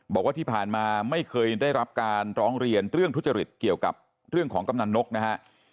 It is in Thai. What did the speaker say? บอกว่าที่ผ่านมาไม่เคยได้รับการร้องเรียนเรื่องทุจริตเกี่ยวกับเรื่องของกำนันนกนะฮะ